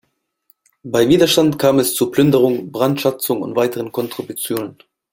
Bei Widerstand kam es zu Plünderung, Brandschatzung und weiteren Kontributionen.